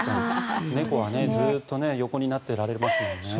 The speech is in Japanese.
猫はずっと横になってられますもんね。